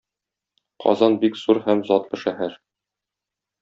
Казан бик зур һәм затлы шәһәр.